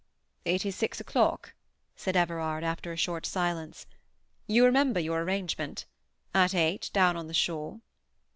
"It is six o'clock," said Everard, after a short silence. "You remember your arrangement. At eight, down on the shore."